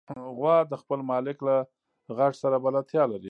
غوا د خپل مالک له غږ سره بلدتیا لري.